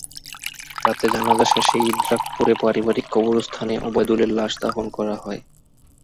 রাতে জানাজা শেষে ইদ্রাকপুরে পারিবারিক কবরস্থানে ওবায়দুলের লাশ দাফন করা হয়।